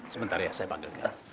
sebentar ya saya panggilnya